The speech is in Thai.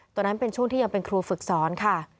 ตอนนั้นเป็นช่วงที่ยังเป็นครูฝึกสอนค่ะ